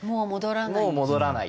もう戻らない？